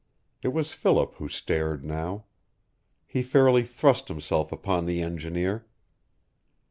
It was Philip who stared now. He fairly thrust himself upon the engineer.